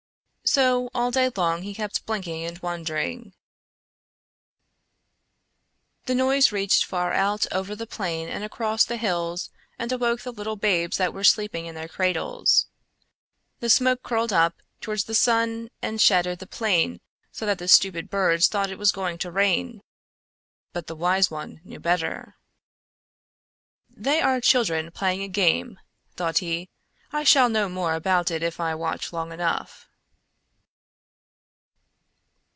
So all day long he kept blinking and wondering. The noise reached far out over the plain and across the hills and awoke the little babes that were sleeping in their cradles. The smoke curled up toward the sun and shadowed the plain so that the stupid birds thought it was going to rain; but the wise one knew better. "They are children playing a game," thought he. "I shall know more about it if I watch long enough."